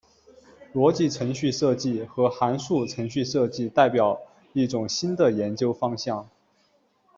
逻辑程序设计和函数程序设计代表一种新的研究方向。